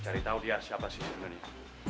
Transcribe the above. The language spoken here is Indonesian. cari tahu dia siapa sih sebenarnya